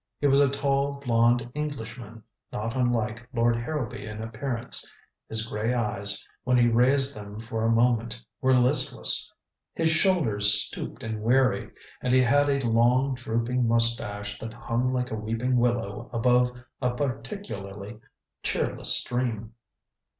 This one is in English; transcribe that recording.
He was a tall blond Englishman, not unlike Lord Harrowby in appearance. His gray eyes, when he raised them for a moment, were listless, his shoulders stooped and weary, and he had a long drooping mustache that hung like a weeping willow above a particularly cheerless stream.